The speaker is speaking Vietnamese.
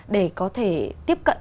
để có thể tiếp cận